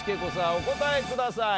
お答えください。